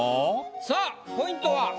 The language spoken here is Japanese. さあポイントは？